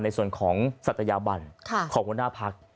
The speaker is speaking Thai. ในส่วนของศัตยาบันของหัวหน้าพัก